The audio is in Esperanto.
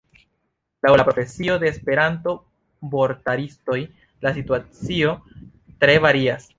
Laŭ la profesio de Esperanto-vortaristoj la situacio tre varias.